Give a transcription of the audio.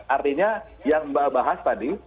artinya yang mbak bahas tadi